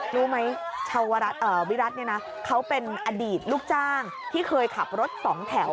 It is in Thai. รู้ไหมชาววิรัติเนี่ยนะเขาเป็นอดีตลูกจ้างที่เคยขับรถสองแถว